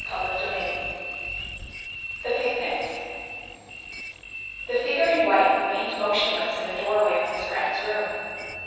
CHAPTER XI The Picnic The figure in white remained motionless in the doorway of Miss Grant's room.